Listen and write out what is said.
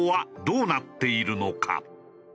どうなっているのか？